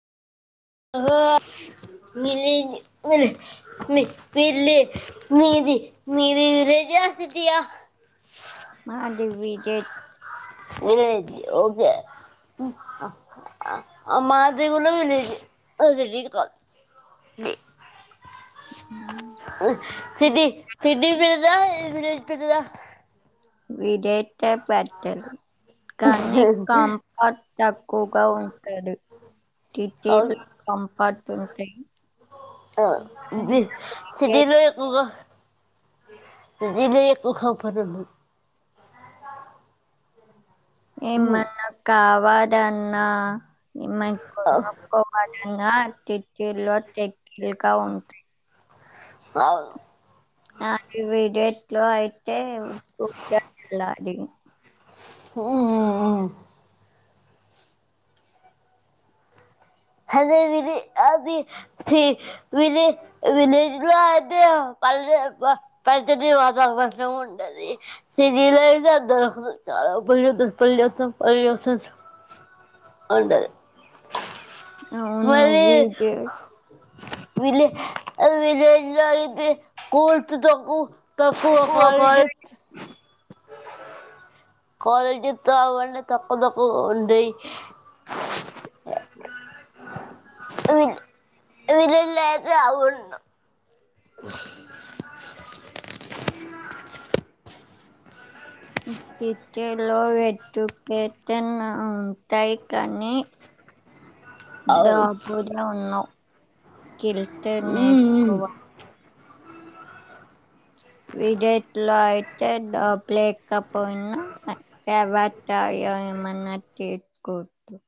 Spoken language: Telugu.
ఓహో మీలీ ఉల్ మీ మిల్లీ మీది మిది విలేజసిటియా మాది విలేజ్ విలెజ్ ఓకే అ మాది కూడా విలెజే అ తెలిదు కాదు ది సిటి సిటి పెద్దదా విలేజ్ పెద్దదా విలేజే పెద్దది కానీ కంఫర్ట్ తక్కువగా ఉంటంది అవును సిటీలు కంఫర్ట్ ఉంటాయి ఆ ది సిటీలో ఎక్కువగా సిటీలో ఎక్కువగా పనులు ఏ మన్న కావ వదన్నా ఏమైనా కొనుకోవ ఇంగ సిటీలో తే లికా ఉంటయి అవును ఆ విడేట్లోఐ చే టు గ్య లాడీ ఉం హదే ఇది అది తీ విని అది విని విలేజ్ లో ఐతే పన్నెండువ పద్దేమిదివందలు ఉండది సి టీలో అయితే అది దొరకదు చాలా పొల్యూషన్ పొల్యూషన్ ఉండది అవును మల్లి విలేజ్ వీళ్ళే అ ఎ కోర్తు తకు [unintelligible] తక్కువ కాల్ జీత్ కలేజీ త అవంట తక్కు తకు ఉండే విల్ వల లేది అవన్ ఇట్ట లో ఎటుక టెన్ థై కానీ దాబద ఉన్నావు. కల్టెన్ అవును వేసుకోవ విజేట్ లో అయితే డూప్ లేకపోయినా వత ఏమన్నా తీసుకోదు.